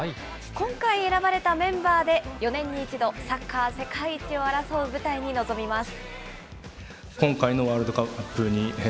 今回選ばれたメンバーで、４年に１度、サッカー世界一を争う舞台に臨みます。